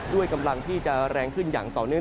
กำลังที่จะแรงขึ้นอย่างต่อเนื่อง